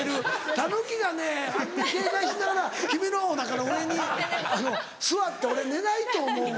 タヌキがねあんな警戒しながら君のお腹の上に座って俺寝ないと思うわ。